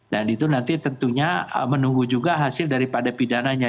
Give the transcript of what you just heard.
dan itu nanti tentunya menunggu juga hasil daripada pidananya